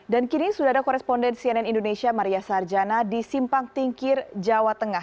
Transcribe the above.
dan kini sudah ada koresponden cnn indonesia maria sarjana di simpang tingkir jawa tengah